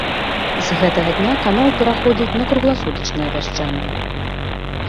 З гэтага дня канал пераходзіць на кругласутачнае вяшчанне.